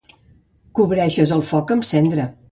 Cobreixes el foc amb cendra.